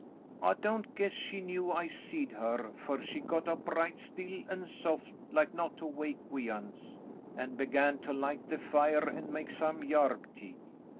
"I don't guess she knew I seed her, fer she got up right still an' soft, like not to wake we uns, an' began to light the fire an' make some yarb tea.